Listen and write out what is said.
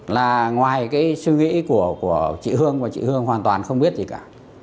là ngoài cái suy nghĩ của chị hương và chị hương hoàn toàn không biết gì cả